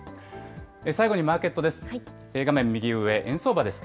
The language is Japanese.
最後にマーケットです。